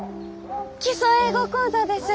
「基礎英語講座」です。